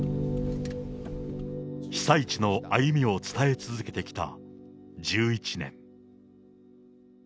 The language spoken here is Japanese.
被災地の歩みを伝え続けてきた１１年。